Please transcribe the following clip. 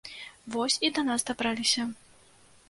Вось і да нас дабраліся.